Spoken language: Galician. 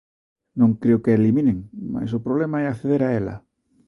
Non creo que a eliminen, mais o problema é acceder a ela.